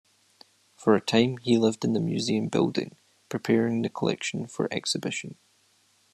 For a time he lived in the museum building, preparing the collection for exhibition.